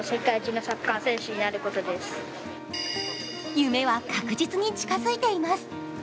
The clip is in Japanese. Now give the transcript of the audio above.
夢は確実に近づいています。